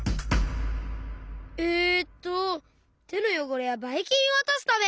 えっとてのよごれやバイキンをおとすため！